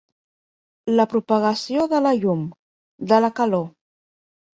La propagació de la llum, de la calor.